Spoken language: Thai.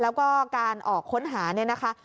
แล้วก็การออกค้นหาเนี่ยนะคะ